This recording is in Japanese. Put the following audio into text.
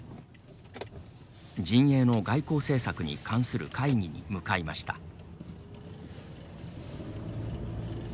陣営の外交政策に関する会議に向かいました。